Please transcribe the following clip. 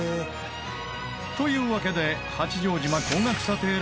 というわけで八丈島高額査定ランキング